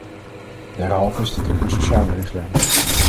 Derhalve is dit ook een sociale richtlijn.